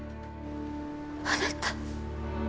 あなた。